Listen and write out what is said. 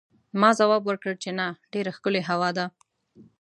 ما ځواب ورکړ چې نه، ډېره ښکلې هوا ده.